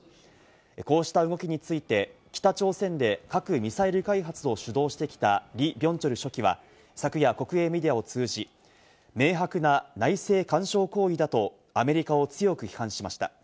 こうした動きについて、北朝鮮で核・ミサイル開発を主導してきたリ・ビョンチョル書記は、昨夜、国営メディアを通じ、明白な内政干渉行為だとアメリカを強く批判しました。